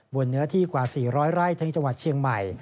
เนื้อที่กว่า๔๐๐ไร่ที่จังหวัดเชียงใหม่